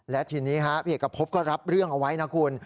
และทีนี้พี่เอกพบก็รับเรื่องเอาไว้นะคุณ